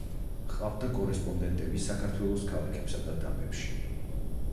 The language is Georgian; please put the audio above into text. ჰყავდა კორესპონდენტები საქართველოს ქალაქებსა და დაბებში.